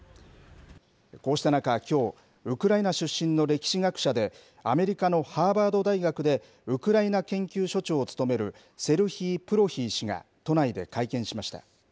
こうした中、きょう、ウクライナ出身の歴史学者で、アメリカのハーバード大学でウクライナ研究所長を務める、セルヒー・プロヒー氏が都内で会見しました。